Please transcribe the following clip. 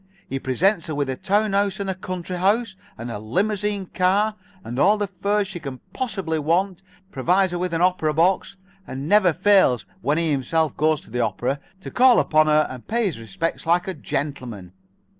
He presents her with a town house and a country house, and a Limousine car, and all the furs she can possibly want; provides her with an opera box, and never fails, when he himself goes to the opera, to call upon her and pay his respects like a gentleman.